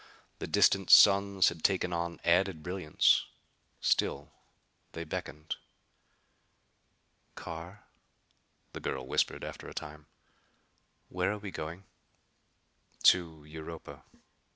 The distant suns had taken on added brilliance. Still they beckoned. "Carr," the girl whispered, after a time, "where are we going?" "To Europa.